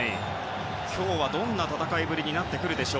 今日はどんな戦いぶりになるか。